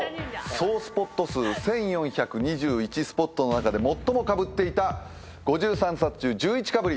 総スポット数１，４２１スポットの中で最もかぶっていた５３冊中１１かぶり。